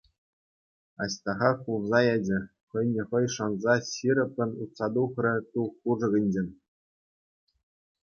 Аҫтаха кулса ячӗ, хӑйне хӑй шанса ҫирӗппӗн утса тухрӗ ту хушӑкӗнчен.